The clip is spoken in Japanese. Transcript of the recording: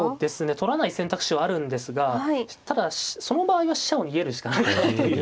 取らない選択肢はあるんですがただその場合は飛車を逃げるしかないかなという。